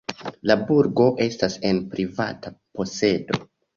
La burgo estas en privata posedo.